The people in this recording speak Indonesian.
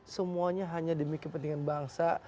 semuanya hanya demi kepentingan bangsa